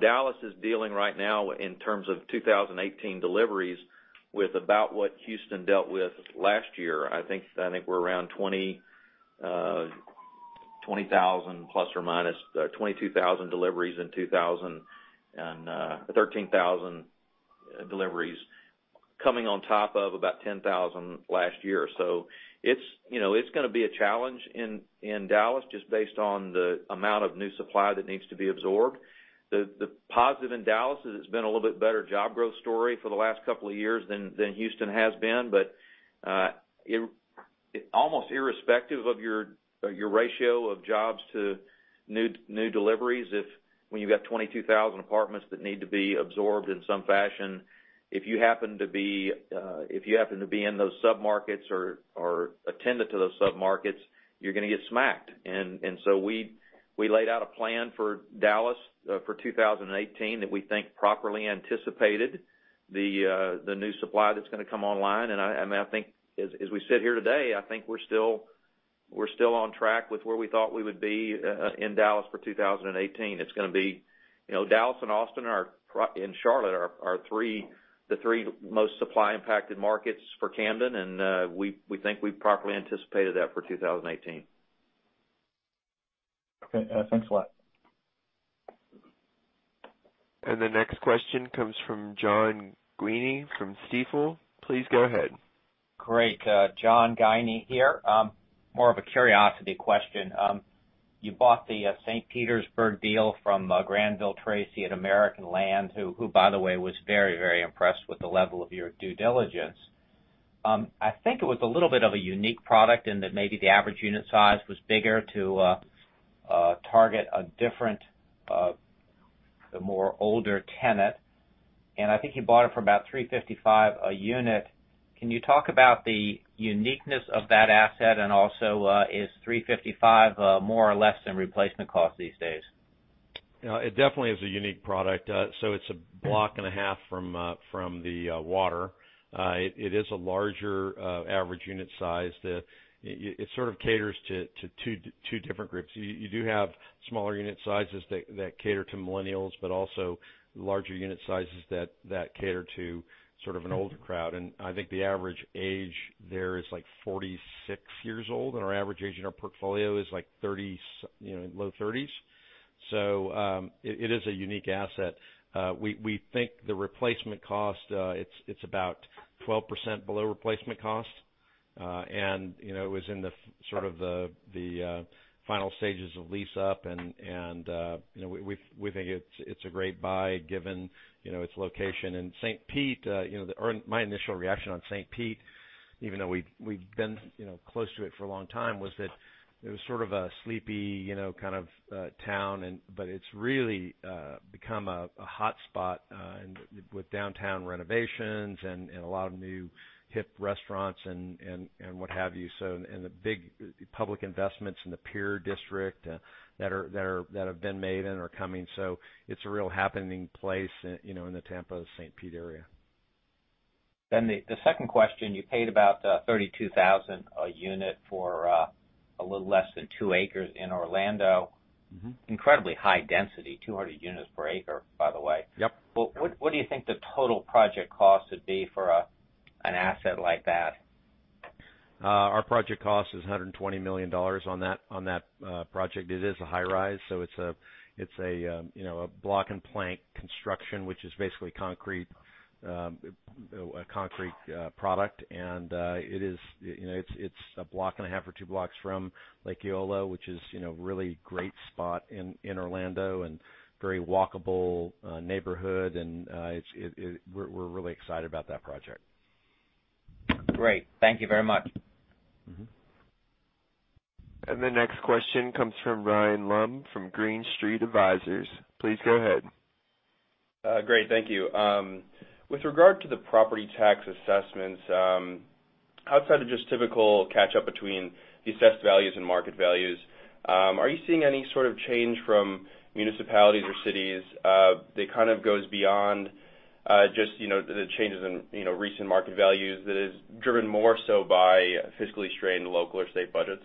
Dallas is dealing right now, in terms of 2018 deliveries, with about what Houston dealt with last year. I think we're around 20,000 plus or minus 22,000 deliveries in 2000, and 13,000 deliveries coming on top of about 10,000 last year. It's going to be a challenge in Dallas just based on the amount of new supply that needs to be absorbed. The positive in Dallas is it's been a little bit better job growth story for the last couple of years than Houston has been. Almost irrespective of your ratio of jobs to new deliveries, when you've got 22,000 apartments that need to be absorbed in some fashion, if you happen to be in those sub-markets or attendant to those sub-markets, you're going to get smacked. We laid out a plan for Dallas for 2018 that we think properly anticipated the new supply that's going to come online. As we sit here today, I think we're still on track with where we thought we would be in Dallas for 2018. Dallas and Austin and Charlotte are the three most supply-impacted markets for Camden, we think we've properly anticipated that for 2018. Okay. Thanks a lot. The next question comes from John Guinee from Stifel. Please go ahead. Great. John Guinee here. More of a curiosity question. You bought the St. Petersburg deal from Granvil Tracy at American Land, who, by the way, was very impressed with the level of your due diligence. I think it was a little bit of a unique product in that maybe the average unit size was bigger to target a different, more older tenant, and I think you bought it for about $355,000 a unit. Can you talk about the uniqueness of that asset, and also, is $355,000 more or less than replacement cost these days? It definitely is a unique product. It's a block and a half from the water. It is a larger average unit size that sort of caters to two different groups. You do have smaller unit sizes that cater to millennials, but also larger unit sizes that cater to sort of an older crowd. I think the average age there is like 46 years old, and our average age in our portfolio is like low 30s. It is a unique asset. We think the replacement cost, it's about 12% below replacement cost. It was in the sort of the final stages of lease-up, and we think it's a great buy given its location. St. Pete, my initial reaction on St. Pete even though we've been close to it for a long time, was that it was sort of a sleepy kind of town, but it's really become a hotspot with downtown renovations and a lot of new hip restaurants and what have you. The big public investments in the Pier District that have been made and are coming. It's a real happening place in the Tampa-St. Pete area. The second question, you paid about $32,000 a unit for a little less than two acres in Orlando. Incredibly high density, 200 units per acre, by the way. Yep. What do you think the total project cost would be for an asset like that? Our project cost is $120 million on that project. It is a high rise, so it's a block and plank construction, which is basically a concrete product. It's a block and a half or two blocks from Lake Eola, which is really great spot in Orlando and very walkable neighborhood, and we're really excited about that project. Great. Thank you very much. The next question comes from Ryan Lumb from Green Street Advisors. Please go ahead. Great. Thank you. With regard to the property tax assessments, outside of just typical catch-up between the assessed values and market values, are you seeing any sort of change from municipalities or cities that kind of goes beyond just the changes in recent market values that is driven more so by fiscally strained local or state budgets?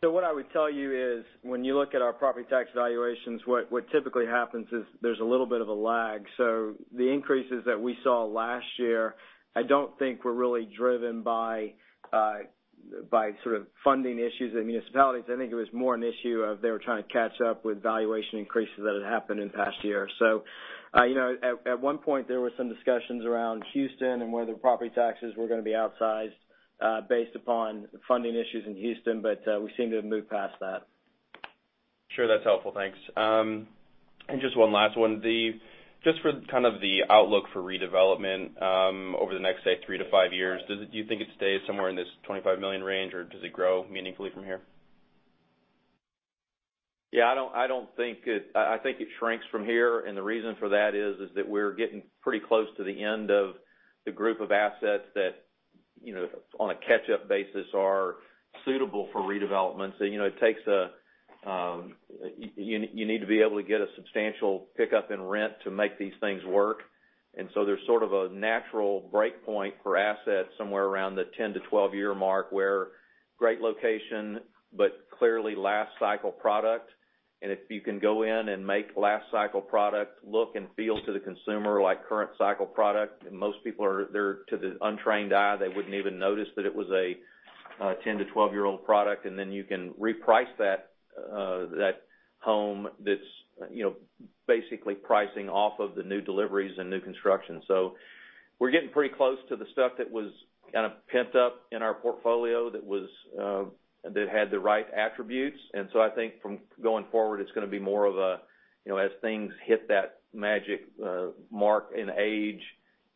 What I would tell you is, when you look at our property tax valuations, what typically happens is there's a little bit of a lag. The increases that we saw last year, I don't think were really driven by sort of funding issues in municipalities. I think it was more an issue of they were trying to catch up with valuation increases that had happened in past years. At one point, there were some discussions around Houston and whether property taxes were going to be outsized based upon funding issues in Houston, but we seem to have moved past that. Sure, that's helpful. Thanks. Just one last one. Just for kind of the outlook for redevelopment over the next, say, three to five years, do you think it stays somewhere in this $25 million range, or does it grow meaningfully from here? Yeah, I think it shrinks from here, and the reason for that is that we're getting pretty close to the end of the group of assets that, on a catch-up basis, are suitable for redevelopment. You need to be able to get a substantial pickup in rent to make these things work. There's sort of a natural breakpoint for assets somewhere around the 10 to 12-year mark, where great location, but clearly last cycle product. If you can go in and make last cycle product look and feel to the consumer like current cycle product, and most people, to the untrained eye, they wouldn't even notice that it was a 10 to 12-year-old product, and then you can reprice that home that's basically pricing off of the new deliveries and new construction. We're getting pretty close to the stuff that was kind of pimped up in our portfolio that had the right attributes. I think from going forward, it's going to be more of a, as things hit that magic mark in age,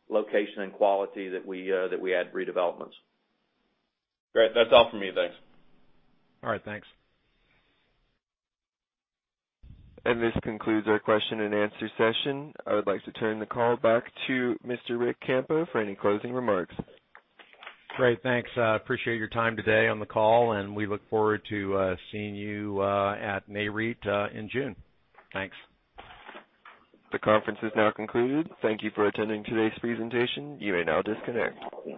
location, and quality, that we add redevelopments. Great. That's all from me. Thanks. All right. Thanks. This concludes our question and answer session. I would like to turn the call back to Mr. Ric Campo for any closing remarks. Great. Thanks. Appreciate your time today on the call, and we look forward to seeing you at Nareit in June. Thanks. The conference is now concluded. Thank you for attending today's presentation. You may now disconnect.